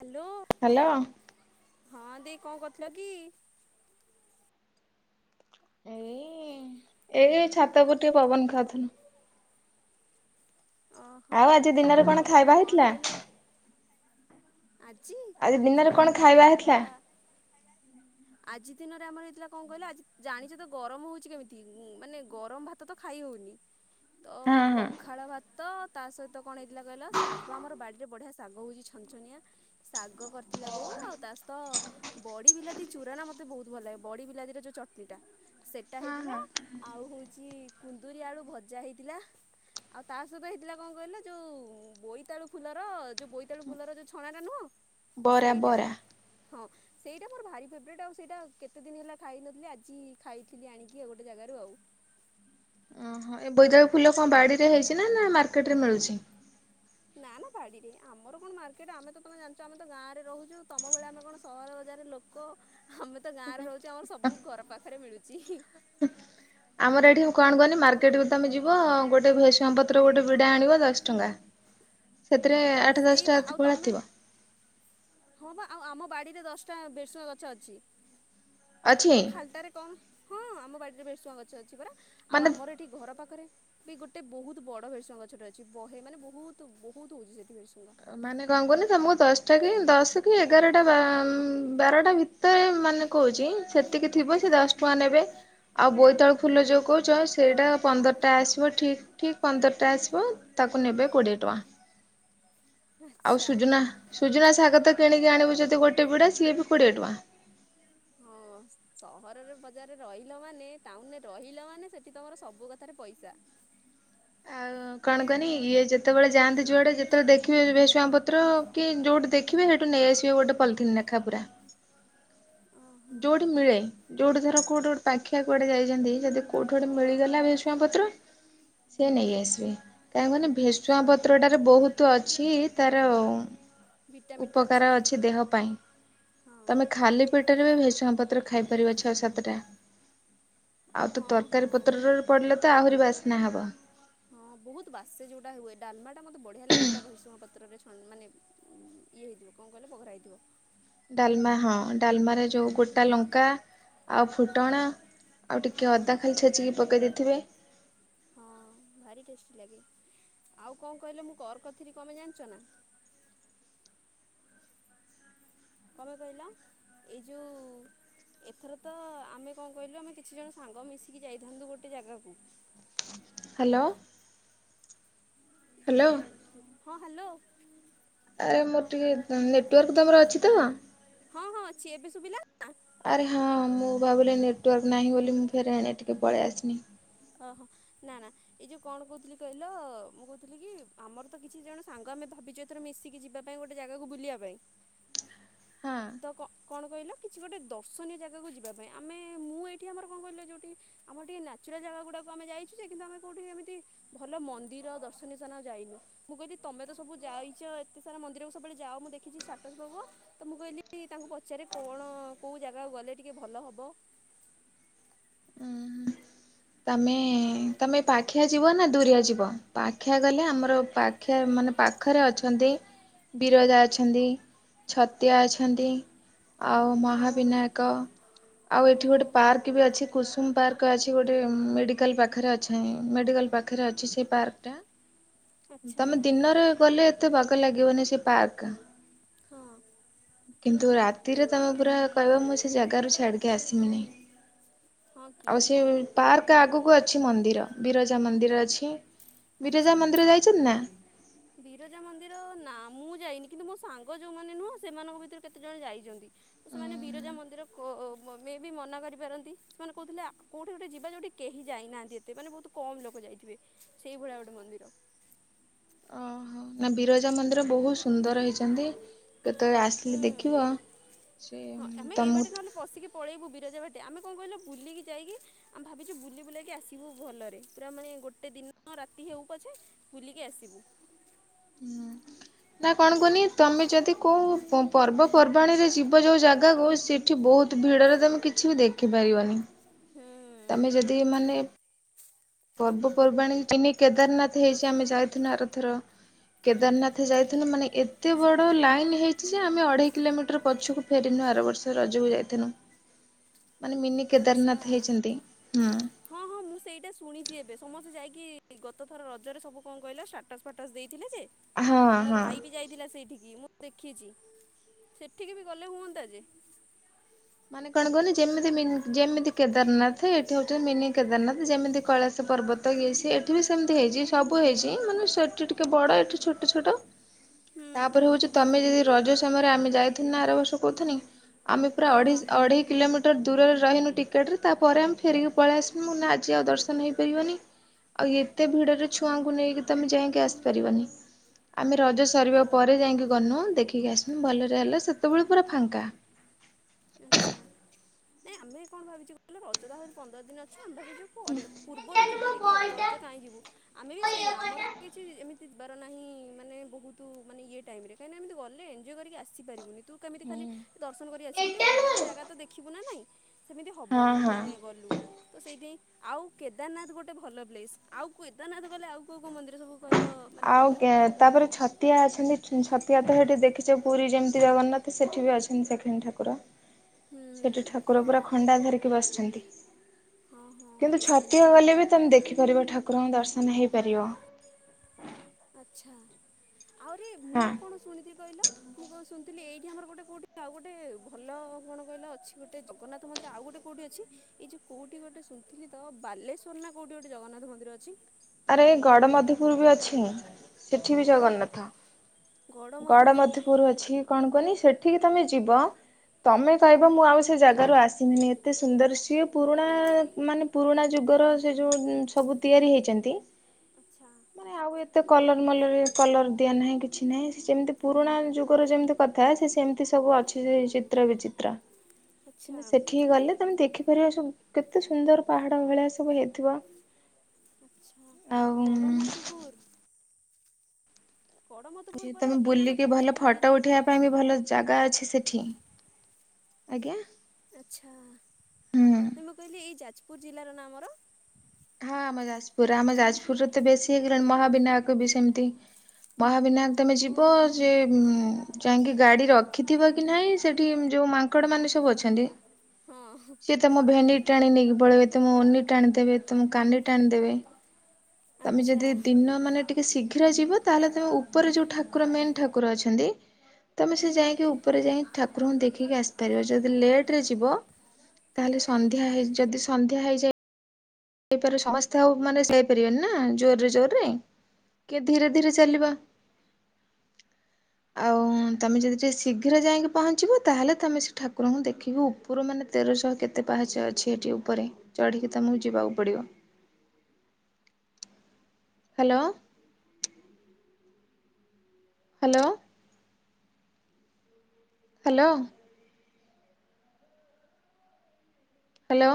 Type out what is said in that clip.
Hello. Hello. ହଁ ଦେଇ କଣ କରିଥିଲ କି? ଏଇ ଏଇ ଛାତ ଉପରେ ଟିକେ ପବନ ଖାଉଥିଲି। ଓ ହୋ ଆଉ ଆଜି ଦିନରେ କଣ ଆଉ ଖାଇବା ହେଇଥିଲା? କଣ କହିଲ। ଆଜି ଆଜି ଦିନରେ କଣ ଆମର ଖାଇବା ହେଇଥିଲା ଆଜି ଦିନରେ ଆମର ହେଇଥିଲା କଣ କହିଲ ଆଜି ଜାଣିଛ ତ ଗରମ ହଉଛି କେମିତି ମାନେ ଗରମ ଭାତ ତ ଖାଇ ହଉନି। ତ ହଁ ହଁ ପଖାଳ ଭା ତ ତା ସହିତ କଣ ହେଇଥିଲା କହିଲ ଶାଗ ଆମର ବାଡିରେ ବଢିଆ ଶାଗ ହଉଛି ଛନ ଛନିଆ ଶାଗ କରିଥିଲା ବୋଉ ଆଉ ତା ସହିତ ବଡ଼ି ବିଲାତି ଚୁରା ନା ମୋତେ ବହୁତ ଭଲ ଲାଗେ ବଡ଼ି ବିଲାତିର ଯୋଉ ଚଟଣିଟା। ସେଟା ହଁ ହେଇଥିଲା ହଁ ଆଉ ହଉଛି କୁନ୍ଦୁରୀ ଆଳୁ ଭଜା ହେଇଥିଲା। ଆଉ ତା ସହିତ ହେଇଥିଲା କଣ କହିଲେ ଯୋଉ ବୋଇତାଳୁ ଫୁଲର ଯୋଉ ବୋଇତାଳୁ ଫୁଲର ଯୋଉ ଛଣା ଟା ନୁହଁ ବରା ସେଇଟା ବରା ହଁ। ସେଇଟା ମୋର ଭାରୀ ଫେବୁରେଟ୍ ଆଉ ସେଇଟା କେତେ ଦିନ ହେଲା ଖାଇନଥିଲି ଆଜି ଖାଇଥିଲି ଆଣିକି ଆଉ ଗୋଟେ ଜାଗାରୁ ଆଉ। ହଁ ଏ ବେ ତ ଫୁଲ କଣ ବାଡିରେ ହେଇଛି ନା ନା ମାର୍କେଟ ରେ ମିଳୁଛି? ନା ନା ବାଡି ରେ ଆମର କଣ ମାର୍କେଟ ଆମେ ତ ତମେ ଜାଣିଛ ଆମେ ତ ଗାଁରେ ରହୁଛୁ ତମ ଭଳିଆ ଆମେ କଣ ସହର ବଜାର ଲୋକ ଆମେ ତ ଗାଁ ରେ ରହୁଛୁ ଆମର ସବୁ ଘର ପାଖରେ ମିଳୁଛି। ହିଁ [unintelligible] [inaudible] ସେଥିରେ ଆଠ ସେଇ ବା ଦଶଟା ଆଉ ପୁଳା ତମେ ଥିବ। ହଁ ବା ଆଉ ଆମ ବାଡିରେ ଦଶଟା ବେରସୁଗାଁ ଗଛ ଅଛି ଅଛି ଆଉ ଖାଲଟାରେ କଣ ହଁ ଆମ ବାଡିରେ ଭେସୁଆ ଗଛ ଅଛି ପୁରା ଆଉ ମାନେ ଆମର ଏଠି ଘର ପାଖରେ ବି ଗୋଟେ ବହୁତ ବଡ ଭେରସୁଙ୍ଗ ଗଛଟା ଅଛି ବହେ ମାନେ ବହୁତ ବହୁତ ହଉଛି ସେଠି ଭେରସୁଙ୍ଗା। ମାନେ କଣ କୁହନିକି ତମକୁ ଦଶଟା କି ଦଶ କି ଏଗାରଟା ବାର ବାରଟା ଭି ତାରେ ମାନେ କହୁଛି ସେତିକି ପତ୍ର ଥିବ ସେ ଦଶ ଟଙ୍କା ନେବେ ଆଉ ବୋଇତାଳୁ ଫୁଲ ଯେଉଁ କହୁଛ ସେଇଟା ପନ୍ଦରଟା ଆସିବ ଠିକ୍ ଠିକ ପନ୍ଦରଟା ଆସିବ ତାକୁ ନେବେ କୋଡ଼ିଏ ଟଙ୍କା। ଆଉ ଆଚ୍ଛା ସୁଜନା ସୁଜନା ଶାଗ ତ କିଣିକି ଆଣିବୁ ଯଦି ଗୋଟେ ବିଡ଼ା ସିଏ ବି କୋଡ଼ିଏ ଟଙ୍କା। ହଁ ସହରରେ ବଜାରରେ ରହିଲ ମାନେ ଟାଉନରେ ରହିଲ ମାନେ ସେଠି ତମର ସବୁ କଥାରେ ପଇସା। ଆଉ କଣ କନି ଇଏ ଯେତେବେଳେ ଯାଆନ୍ତି ଯୁଆଡେ ଯେତେବେଳେ ଦେଖିବେ ଭେସୁଆଁ ପତ୍ର କି ଯୋଉଠି ଦେଖ ଦେଖିବେ ସେଇଠୁ ନେଇଆସିବେ ଗୋଟେ ପଲିଥିନି ନେଖା ପୁରା। ଓହୋ ଯୋଉଠି ମିଳେ। ଯୋଉଠି ଥର କୋଉଠି ଗୋଟେ ପାଖିଆ କୁଆଡେ ଯାଇଛନ୍ତି ଯଦି କୋଉଠି ଗୋଟେ ମିଳିଗଲା ଭେସୁଗାଁ ପତ୍ର ସେ ନେଇ ଆସିବେ। କାହିଁକ ମାନ ଭେଷୁଆ ପତ୍ରଟାର ବହୁତ ଅଛି ତାର ଉପକାର ଅଛି ଦେହ ପାଇଁ ହଁ ତମେ ଖାଲି [unintelligible] ଭେସୁଂଗା ପତ୍ର ଖାଇପାରିବ ଛଅ ସାତଟା ଆଉ ତ ହଁ ହଁ ତରକାରୀ ପତ୍ରରେ ପଡ଼ିଲେ ତ ଆହୁରି ବାସ୍ନା ହବ। ହଁ ବହୁତ ବାସେ ଯୋଉଟା ହୁଏ ଡାଲମା ଟା ମତେ ବଢିଆ ଲାଗେ ଯଉଟା ଭେରସୁଙ୍ଗ ପତ୍ରରେ ଛ ମାନେ ଇଏ ହେଇଥିବ କଣ କହିଲ ବଘରା ହେଇଥିବ। ଡାଲମା ହଁ ଡାଲମାରେ ଯେଉଁ ଗୋଟା ଲଙ୍କା ଆଉ ହଁ ଫୁଟଣ ପରା ଆଉ ଟିକେ ହଁ ଅଦା ଖାଲି ଛେଚିକି ପକେଇ ଦେଇଥିବେ। ହଁ ଭାରି ଟେଷ୍ଟି ଲାଗେ, ଆଉ କଁ କଇଲ ମୁଁ କର୍ କରିଥିଲି କଣ ପାଇଁ ଜାଣିଚ ନା। କଁ ପାଇଁ କହିଲ, ଏଇ ଯୋଉ ଏଥର ତ ଆମେ କଣ କହିଲୁ ଆମେ କିଛି ଜଣ ସାଙ୍ଗ ମିଶିକି ଯାଇଥାନ୍ତୁ ଗୋଟେ ଜାଗାକୁ। ହାଲୋ। ହଁ ହାଲୋ। ଆରେ ମୋର ଟିକେ, ନେଟ୍ ରଖିଦବାନି ୱାର୍କ ତମର ରଖି ଅଛି ତ? ହଁ ହଁ ଅଛି ଏବେ ଶୁଭିଲା ନା ଆରେ ହଁ, ମୁଁ ଭାବିଲି ନେଟ୍ ୱାର୍କ ନାହିଁ ବୋଲି ମୁଁ ଫେର୍ ଆଡେ ଟିକେ ପଳେଇ ଆସିନି। ଓହୋ, ନା ନା। ଏଇ ଯୋଉ କଣ କହୁଥିଲି କହିଲ, ମୁଁ କହୁଥିଲି କି, ଆମର ତ କିଛି ଜଣ ସାଙ୍ଗ ଆମେ ଭାବିଚେ ଧର ମିଶିକି ଯିବା ପାଇଁ ଗୋଟେ ଜାଗାକୁ ବୁଲିଆ ପାଇଁ। ହଁ ତ କ କଣ କହିଲ କିଛି ଗୋଟେ ଦର୍ଶନୀୟ ଜାଗାକୁ ଯିବା ପାଇଁ, ଆମେ ମୁଁ ଏଠି ଆମର କଣ କହିଲ ଯୋଉଠି ଆମର ଟିକେ ନ୍ୟାଚୁରାଲ୍ ଜାଗା ଗୁଡାକୁ ଆମେ ଯାଇଚୁ ଯେ, କିନ୍ତୁ ଆମେ କୋଉଠି ଏମିତି ଭଲ ମନ୍ଦିର ଦର୍ଶନୀୟ ସ୍ଥାନ ଯାଇନୁ। ମୁଁ କହିଲି ତମେ ତ ସବୁ ଯାଇଚ, ଏତେ ସାରା ମନ୍ଦିର କୁ ସବୁବେଳେ ଯାଅ ମୁଁ ଦେଖିଚି ଷ୍ଟାଟସ୍ ପକାଅ ତ ମୁଁ କଇଲି କଇଲି ତାଙ୍କୁ ପଚାରେ କଣ କୋଉ ଜାଗାକୁ ଗଲେ ଟିକେ ଭଲ ହବ। ଆମେ ହଁ ତମେପ୍ ପାଖିଆ ଯିବ ନା ଦୁରିଆ ଯିବ, ପାଖିଆ ଗଲେ ଆମର ପାଖିଆ ମାନେ ପାଖରେ ଅଛନ୍ତି। ବିରଜା ଅଛନ୍ତି, ଛତିଆ ଅଛନ୍ତି। ଆଉ ଓ ମହାବିନାୟକ, ଆଉ ଏଠି ଗୋଟେ ହଁ ପାର୍କ ବି ଅଛି, କୁସୁମ୍ ପାର୍କ ଅଛି ଗୋଟ୍ ଟେ ମେଡ଼ିକାଲ୍ ପାଖରେ ଅଛି, ମେଡ଼ିକାଲ୍ ପାଖରେ ଅଛି ସେ ପାର୍କଟା। ଆଚ୍ଛା ତମେ ଦିନରେ ଗଲେ ଏତେ ବାଗଲାଗିବନି ସେ ପାର୍କ। ହଁ। କିନ୍ତୁ ରାତିରେ ତମେ ପୁରା କହିବ ମୁଁ ସେ ଜାଗାରୁ ଛାଡ଼ିକି ଆସିମିନି। ହଁ କି ଆଉ ସିଏ ବି ପାର୍କ ଆଗକୁ ଅଛି ମନ୍ଦିର, ବିରଜା ମନ୍ଦିର ଅଛି, ଆଚ୍ଛା ବିରଜା ମନ୍ଦିର ଯାଇଛନି ନା? ବିରଜା ମନ୍ଦିର ନାଁ ମୁଁ ଯାଇନି, କିନ୍ତୁ ମୋ ସାଙ୍ଗ ଯୋଉମାନେ ନୁହଁ, ସେମାନଙ୍କ ଭିତରୁ କେତେ ଜଣ ଯାଇଚନ୍ତି। ତ ସେମାନେ ବିରଜା ମନ୍ଦିର କୋ, ମେ ବି ମନା କରିପାରନ୍ତି, ସେମାନେ କହୁଥିଲେ ଆ, କୋଉଠି ଗୋଟେ ଯିବା ଯୋଉଠି କି କେହି ଯାଇନାହାନ୍ତି ଏତେ, ମାନେ ବହୁତ୍ କମ୍ ଲୋକ ଯାଇଥିବେ, ସେଇଭଳିଆ ଗୋଟେ ମନ୍ଦିର। ଓହୋ, ନା ବିରଜା ମନ୍ଦିର ବହୁ ସୁନ୍ଦର ହେଇଚନ୍ତି। କେତେବେଳେ ହୁଁ। ଆସିଲେ ଦେଖିବ, ସେ ହଁ ଆମେ ଏଇ ତମକୁ ବାଟେ ନହେଲେ ପଶିକି ପଳେଇବୁ ବିରଜା ଭାଟେ, ଆମେ କଣ କଇଲ ବୁଲିକି ଯାଇକି ଆମେ ଭାବିଚୁ ବୁଲି ବୁଲାକି ଆସିବୁ ଭଲରେ, ପୁରା ମାନେ ଗୋଟେ ଦିନ ରାତି ହଉ ପଛେ ବୁଲିକି ଆସିବୁ। ହୁଁ। ନା କଣ କୁହନି, ତମେ ଯଦି କୋଉ ପର୍ବପର୍ବାଣୀରେ ଯିବ ଯୋଉ ଜାଗାକୁ ସିପ୍ ସେଠି ବହୁତ୍ ଭିଡ଼ରେ ତମେ କିଛି ବି ଦେଖିପାରିବନି। ହୁଁ। ତମେ ଯଦି ମାନେ ପର୍ବପର୍ବାଣୀ କିନି କେଦାରନାଥ ହେଇଚି, ଆମେ ଯାଇଥିଲୁ ଆରଥର। କେଦାରନାଥ ଯାଇଥିନୁ, ମାନେ ଏତେ ଆଚ୍ଛା ବଡ଼ ଲାଇନ୍ ହେଇ ଚି ଯେ, ଆମେ ଅଢ଼େଇ କିଲୋମିଟର ପଛକୁ ଫେରିନୁ ଆର ବର୍ଷ ରଜକୁ ଯାଇଥେନୁ। ମାନେ ମିନି କେଦାରନାଥ୍ ଆଚ୍ଛା। ହେଇଛନ୍ତି, ହୁଁ। ହଁ ହଁ ମୁଁ ସେଇଟା ଶୁଣିଚି ଏବେ, ସମସ୍ତେ ଯାଇକି ଗତ ଥର ରଜରେ ସବୁ କଣ କହିଲ ଷ୍ଟାଟସ୍ ଫାଟସ୍ ଦେଇଥିଲେ ଯେ ହଁ ମୋ ହଁ। ଭାଇ ବି ଯାଇଥିଲା ସେଇଠିକି ମୁଁ ଦେଖିଛି। ସେଠିକି ବି ଗଲେ ହୁଅନ୍ତା ଯେ। ମାନେ କଣ କହୁନି ଯେମିତି ଯେମିତି କେଦାରନାଥ ଏଠି ହଉଛନ୍ତି ମିନି କେଦାରନାଥ ଯେମିତି କୈଳାସ ପର୍ବତ୍ ତ ଇଏ ସିଏ ଏଇଠି ବି ସେମିତି ହେଇଛି। ସବୁ ହେଇଛି ମାନେ ସେଠି ଟିକେ ବଡ଼ ଏଠି ଛୋଟ ଛୋଟ। [inaudible] ତାପରେ ହଉଛି ତମେ ଯଦି ରଜ ସମୟରେ ଆମେ ଯାଇଥିନୁ ନା ଆର ବର୍ଷ କହୁଥିନି, ଆମେ ପୁରା ହଁ ଅଢ଼େଇ ହଁ ଅଢ଼େଇ କିଲୋମିଟର ଦୂରରେ ରହିନୁ ଟିକେଟରେେ ତାପରେ ଆମେ ଫେରିକି ପଳେଇ ଆସିନୁ ମୁଁ ନା ଆଜି ଆଉ ଦର୍ଶନ ହୋଇପାରିବନି। ଆଉ ଏତେ ଭିଡ଼ରେ ଛୁଆଙ୍କୁ ନେଇକି ତମେ ଆମେ ଯାଇଁକି ଆସ୍ ପାରିବନି। ଆମେ ରଜ ସରିବା ପରେ ହଁ ଯାଇକି ଗନୁ। ଦେଖିକି ଆସିନୁ ଭଲରେ ହେଲା ସେତେବେଳେ ପୁରା ଫାଙ୍କା। ଆଚ୍ଛା। ନାଇଁ ଆମେ କଣ ଭାବିଛୁ କହିଲ ରଜତ ଆହୁରି ପନ୍ଦର ଦିନ ଅଛି ଆମେ ଭାବିଛୁ ପରେ, ପୂର୍ବରୁ ଯିବୁ ମୋ ଟିକେ ଆଉ ବଲ୍ ଟା ରଜ କାହିଁ ଯିବୁ। ଆମେ ବି ମୋ ଇଏ ସେଇୟା ବଲ୍ ଆମର ଟା। ସେ୍ କିଛି ଏମିତି ବାର ନାହିଁ ମାନେ ବହୁତୁ ମାନେ ଇଏ ଟାଇମରେ କାହିଁକିନା ଏମିତି ଗଲେ ଏଞ୍ଜୟ କରିକି ଆସିପାରିବୁନି ତୁ କେମିତି ଖାଲି ହଁ ଦର୍ଶନ କରି ଆସିବୁ, ଟିକେ ଭଲ କି ଜାଗା ତ ଦେଖିବୁ ନା ନାଇଁ। ସେମିତି ହେବନି ହଁ। ଯଦି ହଁ। ଆମେ ଗଲୁ ତ ସେଇଥିଆଇଁ ଆଉ କେଦାରନାଥ ଗୋଟେ ଭଲ ପ୍ଲେସ୍ ଆଉ କେଦାରନାଥ ଗଲେ ଆଉ କୋଉ କୋଉ ମନ୍ଦିର ସବୁ କହିଲ? ମାନେ ଆଉ ଗଲେ କେ ହବ ତାପରେ ଛତ୍ ତିଆ ଅଛନ୍ତି। ଛତିଆ ତ ସେଠି ଦେଖିଛେ ପୁରୀ ଯେମିତି ଜଗନ୍ନାଥ ସେଇଠି ବି ଅଛନ୍ତି ସେକେନ୍ଡ୍ ଠାକୁର। [inaudible] ସେଠି ଠାକୁର ହଁ ପୁରା ଖଣ୍ଡା ଧରିକି ବସିଛନ୍ତି। ହଁ ହଁ କିନ୍ତୁ ମୁଁ ଛତିଆ ଶୁଣିଛି ଗଲେ ବି ତମେ ଦେଖିପାରିବ ଠାକୁରଙ୍କ ଦର୍ଶନ ହେଇପାରିବ। ଆଚ୍ଛା। ଆହୁରି ମୁଁ ହଁ। କଣ ଶୁଣିଥିଲି କହିଲ? ମୁଁ କ ଶୁନ୍ଥିଲି ଏଇଠି ଆମର ଗୋଟେ କୋଉଠି ଆଉ ଗୋଟେ ଭଲ କଣ କହିଲା ଅଛି ଗୋଟେ ଜଗନ୍ନାଥ ମନ୍ଦିର ଆଉ ଗୋଟେ କୋଉଠି ଅଛି? ଏଇ ଯୋଉ କୋଉଠି ଗୋଟେ ଶୁଣିଥିଲି ତ ବାଲେଶ୍ଵର ନା କୋଉଠି ଗୋଟେ ଜଗନ୍ନାଥ ମନ୍ଦିର ଅଛି? ଆରେ ଏଇ ଗଡ଼ ମଧପୁର୍ ବି ଅଛି। ସେଠି ବି ଓ ଜଗନ୍ନାଥ। ଗଡ ଗଡ଼ମଧୁପୁର ମଧୁପୁର୍ ଅଛି। କଣ କୁହନି? ସେଠିକି ତମେ ଯିବ। ତମେ କହିବ ମୁଁ ଆଉ ସେ ଜାଗାରୁ ଆସିିମିନି ଏତେ ସୁନ୍ଦର ସିଏ ପୁରୁଣା ମାନେ ପୁରୁଣା ଯୁଗର ସେ ଯେଉଁ ସବୁ ତିଆରି ହେଇଛନ୍ତି। ଆଚ୍ଛା। ମାନେ ଆଉ ଏତେ କଲର୍ ମଲର୍ କଲର୍ ଦିଆ ନାହିଁ କିଛି ନାହିଁ, ସେ ଯେମିତି ପୁରୁଣା ଯୁଗରେ ଯେମିତି କଥା ସେ ସେମ୍ତି ସବୁ ଅଛି। ସେ ଚିତ୍ର ବିଚିତ୍ର। ଆଚ୍ଛା କିନ୍ତୁ ସେଠିକି ଗଲେ ତମେ ଦେଖିପାରିବ। ସବୁ କେତେ ସୁନ୍ଦର ପାହାଡ ଭଳିଆ ସବୁ ହେଇଥିବ। ଆଚ୍ଛା। ଆଉ ଗଡ଼ ମଧୁପୁର୍। ଗଡ଼ମଧୁପୁର ପରା ତମେ ଏଇ ଆମ ବୁଲିକି, ଭଲ ଯାଜପୁର ଫଟୋ ଜିଲ୍ଲାର ନା ଉଠେଇବା ପାଇଁ ବି ଭଲ ଜାଗା ଅଛି ସେଠି। ଆଜ୍ଞା। ଆଚ୍ଛା। ହୁଁ ମୁଁ କହିଲି ଏଇ ଯାଜପୁର ଜିଲ୍ଲାର ନାମର? ହଁ ଆମ ଯାଜପୁର। ଆମ ଯାଜପୁରରେ ତ ବେଶୀ ହେଇଗଲାଣି ମହାବିନାୟକ ବି ସେମିତି। ମହାବିନାୟକ ତମେ ଓ ଯିବ ସେ ଯାଇକି ଗାଡି ରଖିଥିବ କି ନାହିଁ ସେଠି ଯୋଉ ମାନ୍କ୍ ଙ୍କଡ ମାନେ ସବୁ ଅଛନ୍ତି। ହଁ। ତ ମୋ ଭେନଡ୍ ଟାଣି ନେଇକି ପଳେଇବେ, ତମ ଓନି ଟାଣି ଦେବେ, ତମ କାନି ଟାଣିଦେବେ। ତମେ ଆଚ୍ଛା ଯଦି ଦିନ ମାନେ ଟିକେ ଶୀଘ୍ର ଯିବ ତାହେଲେ, ତମେ ଉପରେ ଯୋଉ ଠାକୁର ମେନ୍ ଠାକୁର ଅଛନ୍ତି। ତମେ ସେ ଯାଇଁକି ଉପରେ ଯାଇକି ଠାକୁରଙ୍କୁ ଦେଖିକି ଆସିପାରିବ। ଯଦି ଲେଟେ ଯିବ ତାହେଲେ ସନ୍ଧ୍ୟା ହେଇ ଯଦି ସନ୍ଧ୍ୟା ହେଇଯାଏ? ହେଇପ ସମସ୍ତେ ଆଉ ମାନେ ସେଇ ପାରିବେନି ନା ଜୋର ରେ ଜୋରରେ? କିଏ ଧୀରେ ଧୀରେ ଚାଲିବା। ଆ ଆଉ ତମେ ଯଦି ଟିକେ ଶୀଘ୍ର ଯାଇକି ପହଞ୍ଚିବ ତାହେଲେ ତୁମେ ସେ ଠାକୁରଙ୍କୁ ଦେଖିକି ଉ ପୁୁରମାନେ ତେରଶହ କେତେ ପାହାଚ ଅଛି ଏଠି ଉପରେ ଚଢ଼ିକି ତମକୁ ଯିବାକୁ ପଡ଼ିବ। ହ୍ୟାଲୋ? ହ୍ୟାଲୋ? ହ୍ୟାଲୋ? ହ୍ୟାଲୋ?